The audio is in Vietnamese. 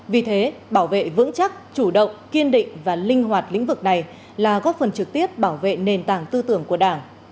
vì thế bảo vệ vững chắc chủ động kiên định và linh hoạt lĩnh vực này là góp phần trực tiếp bảo vệ nền tảng tư tưởng của đảng